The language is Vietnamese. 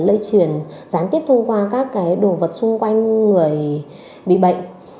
hai là lây truyền gián tiếp thông qua các đồ vật xung quanh người bị bệnh